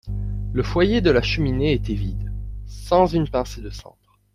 Le foyer de la cheminée était vide, sans une pincée de cendre.